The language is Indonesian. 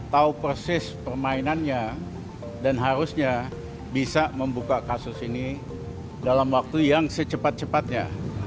tahu persis permainannya dan harusnya bisa membuka kasus ini dalam waktu yang secepat cepatnya